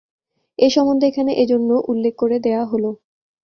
এ সম্বন্ধে এখানে এজন্য উল্লেখ করে দেয়া হল।